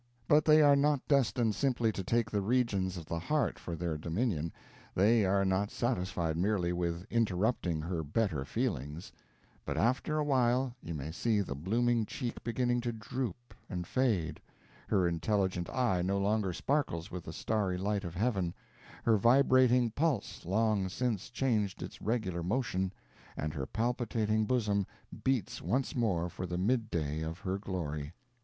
But they are not destined simply to take the regions of the heart for their dominion, they are not satisfied merely with interrupting her better feelings; but after a while you may see the blooming cheek beginning to droop and fade, her intelligent eye no longer sparkles with the starry light of heaven, her vibrating pulse long since changed its regular motion, and her palpitating bosom beats once more for the midday of her glory.